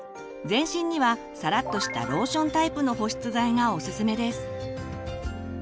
全身にはさらっとしたローションタイプの保湿剤がおすすめです。